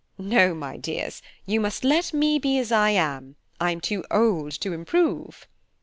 No, my dears, you must let me be as I am, I'm too old to improve."